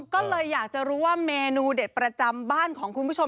ก็เลยอยากจะรู้ว่าเมนูเด็ดประจำบ้านของคุณผู้ชม